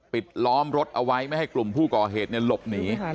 ล้อมรถเอาไว้ไม่ให้กลุ่มผู้ก่อเหตุหลบหนี